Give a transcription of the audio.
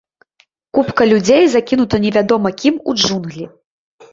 Купка людзей закінута невядома кім у джунглі.